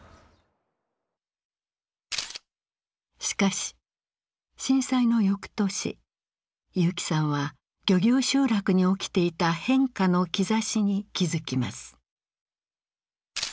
しかし震災の翌年結城さんは漁業集落に起きていた変化の兆しに気付きます。